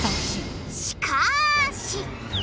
しかし！